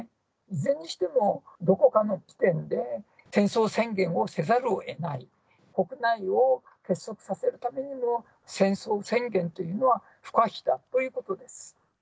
いずれにしてもどこかの時点で、戦争宣言をせざるをえない、国内を結束させるためにも、戦争宣言というのは不可避だということです。